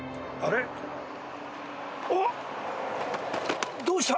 おっどうした？